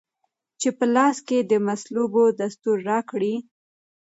چي په لاس کې د مصلوبو دستور راکړی